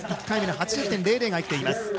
１回目の８０．００が生きています。